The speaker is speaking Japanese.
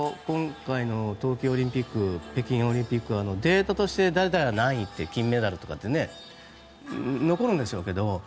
今回の冬季オリンピック北京オリンピックはデータとして誰々が何位って金メダルとかって残るんでしょうけど